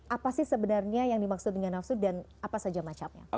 apa sih sebenarnya yang dimaksud dengan nafsu dan apa saja macamnya